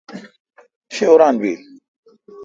شہ اوران بیل